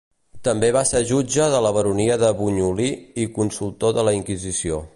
També va ser jutge de la baronia de Bunyolí i consultor de la Inquisició.